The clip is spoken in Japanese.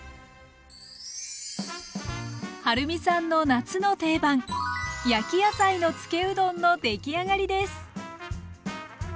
はるみさんの夏の定番焼き野菜のつけうどんのできあがりです。